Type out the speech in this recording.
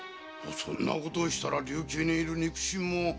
そんなことをしたら琉球にいる肉親も。